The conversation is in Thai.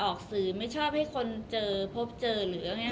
ออกสื่อไม่ชอบให้คนเจอพบเจอเหรอไง